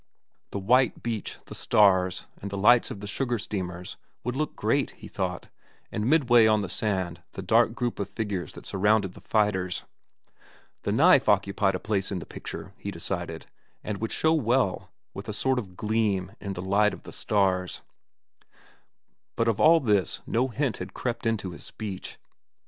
The white beach, the stars, and the lights of the sugar steamers would look great, he thought, and midway on the sand the dark group of figures that surrounded the fighters. The knife occupied a place in the picture, he decided, and would show well, with a sort of gleam, in the light of the stars. But of all this no hint had crept into his speech.